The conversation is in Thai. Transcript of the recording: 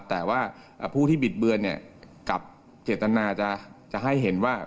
แต่ว่าผู้ที่บิดเบือนเนี่ยกลับเจตนาจะให้เห็นว่า